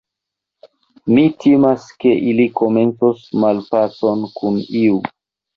Mi timas, ke ili komencos malpacon kun iu.